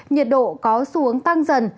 nhiệt độ có xuống tăng dần